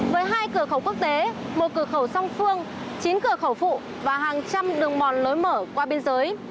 với hai cửa khẩu quốc tế một cửa khẩu song phương chín cửa khẩu phụ và hàng trăm đường mòn lối mở qua biên giới